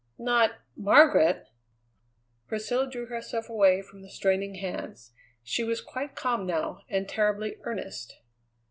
"Not Margaret!" Priscilla drew herself away from the straining hands. She was quite calm now and terribly earnest.